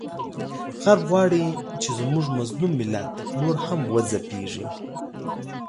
غرب غواړي چې زموږ مظلوم ملت نور هم وځپیږي،